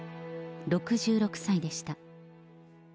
６６歳でした。